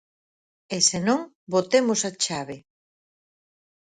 E senón, botemos a chave.